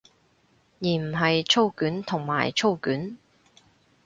而唔係操卷同埋操卷